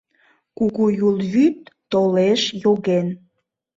Кугу Юл вӱд толеш йоген.